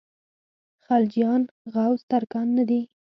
خلجیان غوز ترکان نه دي.